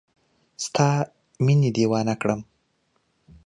ستا مینې دیوانه کړم